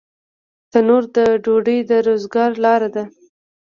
تنور د ډوډۍ د روزګار لاره ده